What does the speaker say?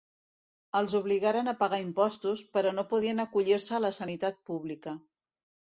Els obligaren a pagar impostos, però no podien acollir-se a la sanitat pública.